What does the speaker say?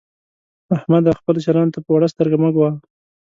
احمده! خپلو سيالانو ته په وړه سترګه مه ګوه.